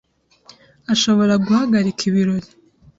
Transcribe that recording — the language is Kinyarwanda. ashobora guhagarika ibirori.